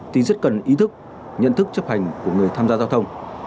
thì rất cần ý thức nhận thức chấp hành của người tham gia giao thông